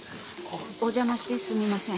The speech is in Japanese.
おじゃましてすみません。